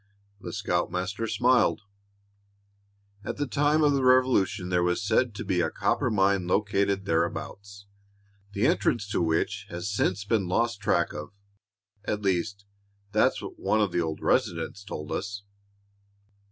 The scoutmaster smiled. "At the time of the Revolution there was said to be a copper mine located thereabouts, the entrance to which has since been lost track of. At least, that's what one of the old residents told us."